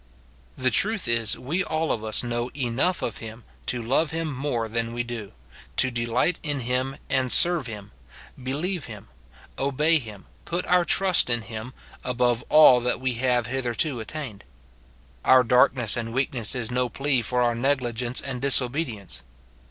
] The truth is, we all of us know enough of him to love him more than we do, to delight in him and serve him, believe him, obey him, put our trust in him, above all that we have hitherto attained. Our darkness and weakness is no plea for our negligence and disobedience.